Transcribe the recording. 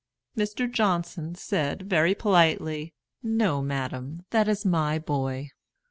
Mr. Johnson said, very politely, "No, madam, that is my boy."